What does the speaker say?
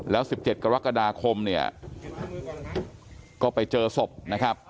แล้ว๑๗กรกฎาคมเนี่ยก็ไปเจอศพนะครับ